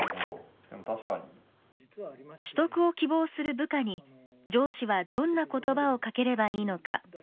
取得を希望する部下に上司はどんな言葉をかければいいのか。